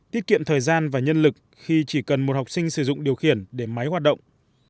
tiết kiệm thời gian và nhân lực khi chỉ cần một học sinh sử dụng điều khiển để máy hoạt động